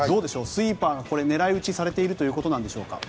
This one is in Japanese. スイーパーが狙い打ちされているということなんでしょうか？